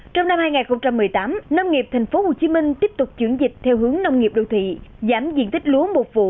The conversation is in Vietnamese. trong năm hai nghìn một mươi tám nông nghiệp tp hcm tiếp tục chuyển dịch theo hướng nông nghiệp đô thị giảm diện tích lúa một vụ